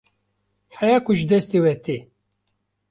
heya ku ji destê we tê